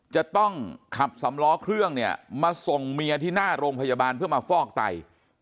จะต้องขับสำล้อเครื่องเนี่ยมาส่งเมียที่หน้าโรงพยาบาลเพื่อมาฟอกไต